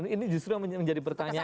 ini justru yang menjadi pertanyaan